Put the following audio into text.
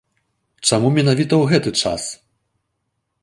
Чаму менавіта ў гэты час?